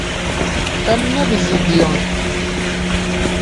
Em nebizdiyan.